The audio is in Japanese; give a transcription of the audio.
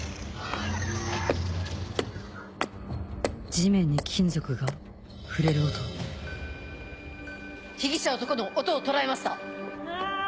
地面に金属が触れる音被疑者男の音を捉えました。